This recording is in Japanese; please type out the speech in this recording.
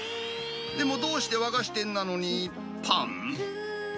でもどうして和菓子店なのに、パン？